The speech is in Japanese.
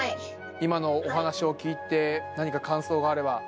今のお話を聞いて、何か感想があれば。